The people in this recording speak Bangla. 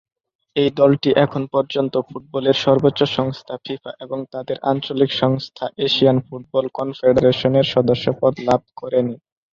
এই দলটি এখন পর্যন্ত ফুটবলের সর্বোচ্চ সংস্থা ফিফা এবং তাদের আঞ্চলিক সংস্থা এশিয়ান ফুটবল কনফেডারেশনের সদস্যপদ লাভ করেনি।